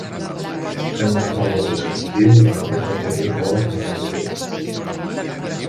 Té un gran valor descriptiu i també pot tenir valor narratiu.